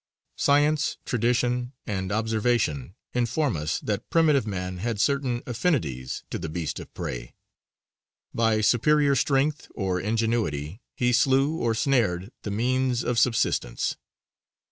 Science, tradition, and observation inform us that primitive man had certain affinities to the beast of prey. By superior strength or ingenuity he slew or snared the means of subsistence.